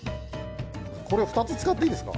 これ２つ使っていいですか？